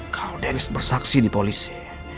kalau dennis bersaksi di polisi